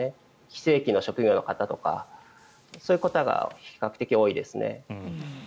非正規の職業の方とかそういう方が比較的多いですね。